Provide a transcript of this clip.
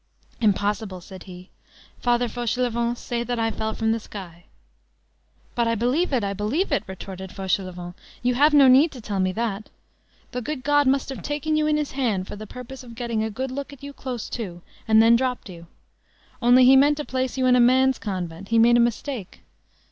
"Impossible!" said he. "Father Fauchelevent, say that I fell from the sky." "But I believe it, I believe it," retorted Fauchelevent. "You have no need to tell me that. The good God must have taken you in his hand for the purpose of getting a good look at you close to, and then dropped you. Only, he meant to place you in a man's convent; he made a mistake.